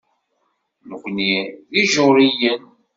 Nekkni d Ijuṛiyen.